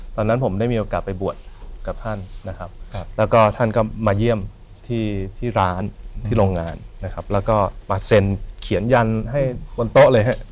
ตอนนั้นผมได้มีโอกาสไปบวชกับท่านนะครับแล้วก็ท่านก็มาเยี่ยมที่ร้านที่โรงงานนะครับแล้วก็มาเซ็นเขียนยันให้บนโต๊ะเลยฮะ